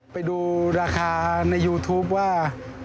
ไปดูราคาในยูทูปว่า